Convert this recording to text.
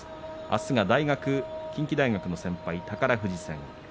あすが近畿大学の先輩、宝富士戦。